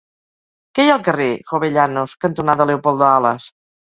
Què hi ha al carrer Jovellanos cantonada Leopoldo Alas?